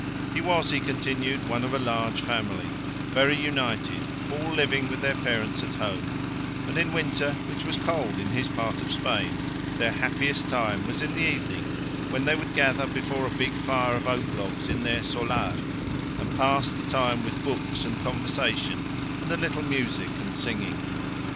He was, he continued, one of a large family, very united, all living with their parents at home; and in winter, which was cold in his part of Spain, their happiest time was in the evening when they would gather before a big fire of oak logs in their solar and pass the time with books and conversation and a little music and singing.